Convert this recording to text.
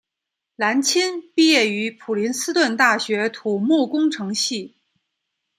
蓝钦毕业于普林斯顿大学土木工程系。